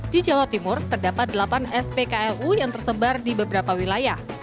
di jawa timur terdapat delapan spklu yang tersebar di beberapa wilayah